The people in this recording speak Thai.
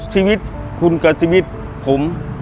ชีวิตคุณกับชีวิตผม